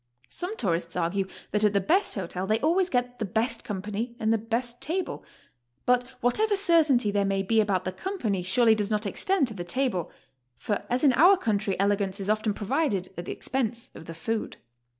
Some tourists argue that at the best hotel they always get the best company and the best table, but whatever certainty there may be about the company surely does not extend to the table, for as in our country elegance is often provided at the expense of the food.